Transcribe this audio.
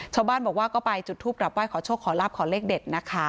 ชาวบ้านบอกว่าก็ไปจุดทูปกลับไห้ขอโชคขอลาบขอเลขเด็ดนะคะ